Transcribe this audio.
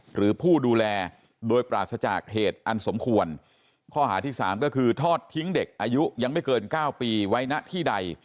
หรือผู้ดูแลโดยปราศจากเหตุอันสมควรข้อหาที่สามก็คือทอดทิ้งเด็กอายุยังไม่เกินเก้าปีไว้ณที่ใด